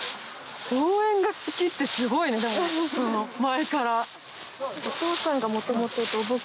造園が好きってすごいね前から。